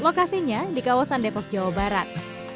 lokasinya di kawasan depok jawa barat